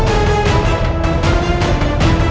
kau telah sesame